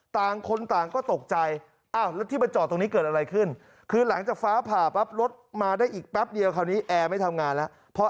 ต่างคนต่างก็ตกใจอ้าวแล้วที่มาจอดตรงนี้เกิดอะไรขึ้นคือหลังจากฟ้าผ่าปั๊บรถมาได้อีกแป๊บเดียวคราวนี้แอร์ไม่ทำงานแล้ว